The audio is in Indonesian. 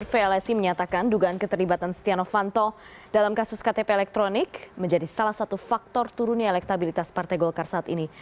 vlsi menyatakan dugaan keterlibatan setia novanto dalam kasus ktp elektronik menjadi salah satu faktor turunnya elektabilitas partai golkar saat ini